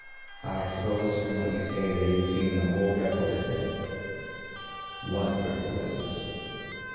I suppose from what you say that you have seen the whole dreadful business. ŌĆØ ŌĆ£What dreadful business?